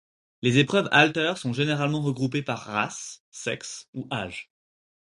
Les épreuves Halter sont généralement regroupées par race, sexe ou âge.